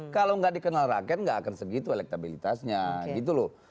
kalau nggak dikenal rakyat nggak akan segitu elektabilitasnya gitu loh